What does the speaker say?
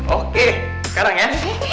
oke sekarang ya